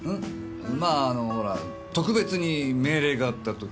まああのほら特別に命令があった時にいろいろとね。